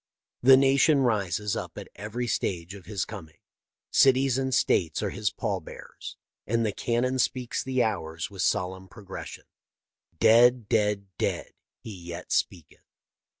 The nation rises up at every stage of his coming. Cities and states are his pall bearers, and the cannon speaks the hours with solemn progression. Dead, dead, dead, he yet speaketh.